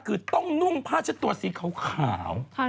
คือต้องนุ่งผ้าเช็ดตัวสีขาว